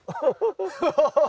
ハハハハッ。